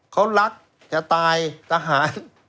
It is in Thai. เขารักจะตายทหาร